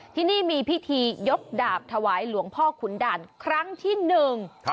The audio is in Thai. ที่นี่มีพิธียกดาบถวายหลวงพ่อขุนด่านครั้งที่หนึ่ง